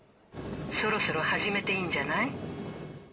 そろそろ始めていいんじゃない？